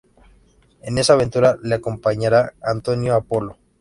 En esa aventura le acompañará Antonio Apolo.